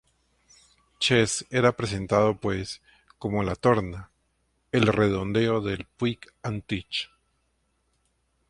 Chez era presentado pues, como la "torna", el "redondeo" de Puig Antich.